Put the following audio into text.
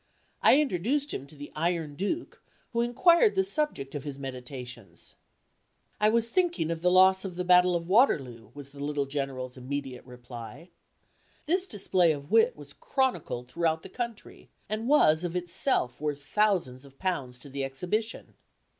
I introduced him to the "Iron Duke," who inquired the subject of his meditations. "I was thinking of the loss of the battle of Waterloo," was the little General's immediate reply. This display of wit was chronicled throughout the country, and was of itself worth thousands of pounds to the exhibition.